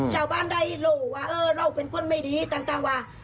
ชาวบ้านได้รู้ว่าเออเราเป็นคนไม่ดีต่างว่า